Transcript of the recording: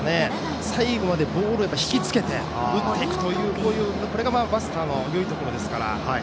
最後までボールをひきつけて打っていくというところがバスターのよいところですから。